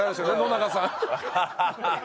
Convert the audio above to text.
野永さん。